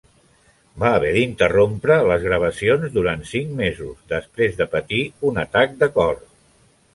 Va haver d'interrompre les gravacions durant cinc mesos després de patir un atac de cor.